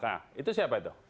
nah itu siapa itu